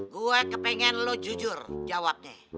gue kepengen lo jujur jawabnya